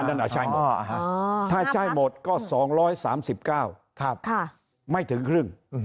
นั่นอ่ะใช่ถ้าใช้หมดก็๒๓๙ไม่ถึงครึ่ง